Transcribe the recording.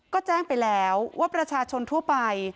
ก็แจ้งไปแล้วว่าประชาชนทั่วไป